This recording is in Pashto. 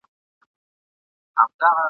بیرغچي سخت زخمي سوی دئ.